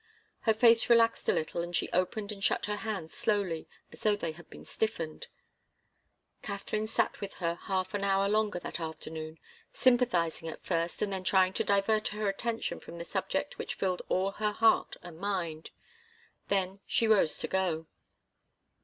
Her face relaxed a little, and she opened and shut her hands slowly as though they had been stiffened. Katharine sat with her half an hour longer that afternoon, sympathizing at first and then trying to divert her attention from the subject which filled all her heart and mind. Then she rose to go.